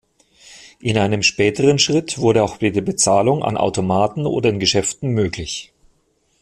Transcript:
In einem späteren Schritt wurde auch die Bezahlung an Automaten oder in Geschäften möglich.